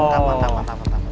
mantap mantap mantap